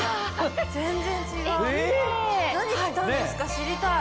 知りたい。